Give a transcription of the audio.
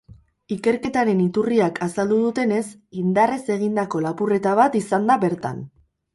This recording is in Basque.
Ikerketaren iturriak azaldu dutenez, indarrez egindako lapurreta bat izan da bertan.